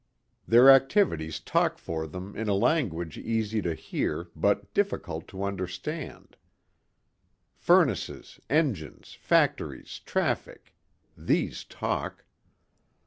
Their activities talk for them in a language easy to hear but difficult to understand. Furnaces, engines, factories, traffic these talk.